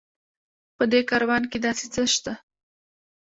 په دې کاروان کې داسې څه شته.